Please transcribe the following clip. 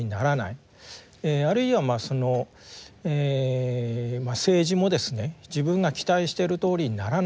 あるいはまあその政治もですね自分が期待しているとおりにならないと。